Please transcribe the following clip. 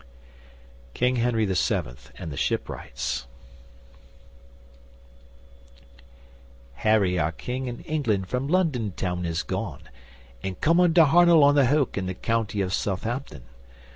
King Henry VII and the Shipwrights Harry our King in England from London town is gone, And comen to Hamull on the Hoke in the countie of Suthampton.